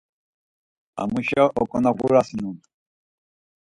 Amuşa oǩonağurasinon.